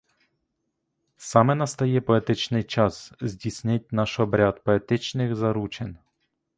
Саме настає поетичний час здійснить наш обряд поетичних заручин.